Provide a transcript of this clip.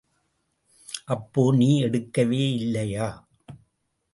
அப்போ, நீ எடுக்கவே இல்லையா?